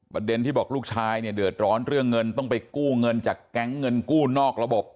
ประเด็นที่บอกลูกชายเนี่ยเดือดร้อนเรื่องเงินต้องไปกู้เงินจากแก๊งเงินกู้นอกระบบ